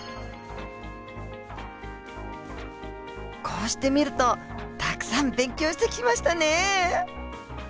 こうして見るとたくさん勉強してきましたね。